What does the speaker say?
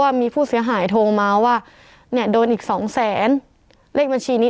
ว่ามีผู้เสียหายโทรมาว่าเนี่ยโดนอีกสองแสนเลขบัญชีนี้